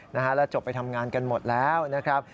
แล้วจบไปทำงานกันหมดแล้วนะครับ